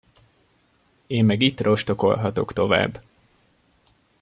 Én meg itt rostokolhatok tovább.